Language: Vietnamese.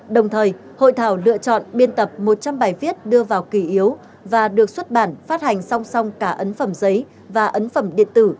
đồng thời hội thảo lựa chọn biên tập một trăm linh bài viết đưa vào kỷ yếu và được xuất bản phát hành song song cả ấn phẩm giấy và ấn phẩm điện tử